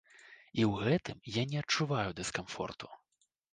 І ў гэтым я не адчуваю дыскамфорту.